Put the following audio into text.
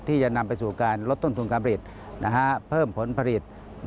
ที่จะนำไปสู่การลดต้นทุนการผลิตเพิ่มผลผลิต